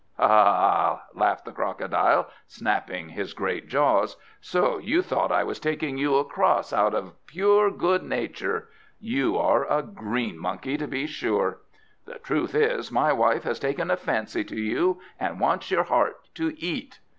"Ha, ha, ha!" laughed the Crocodile, snapping his great jaws. "So you thought I was taking you across out of pure good nature! You are a green monkey, to be sure. The truth is, my wife has taken a fancy to you, and wants your heart to eat!